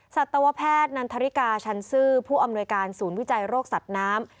สัตวแพทย์นันทริกาชันซื่อผู้อำนวยการศูนย์วิจัยโรคสัตว์น้ำ